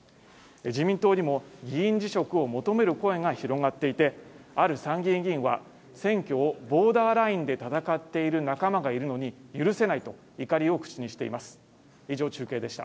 自民党にも議員辞職を求める声が広がっていてある参議院議員は選挙をボーダーラインで戦っている仲間がいるのに許せないと怒りを口にしています